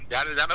dạ đúng rồi